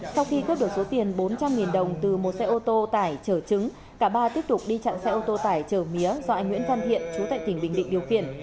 sau khi cướp được số tiền bốn trăm linh đồng từ một xe ô tô tải chở trứng cả ba tiếp tục đi chặn xe ô tô tải chở mía do anh nguyễn văn thiện chú tại tỉnh bình định điều khiển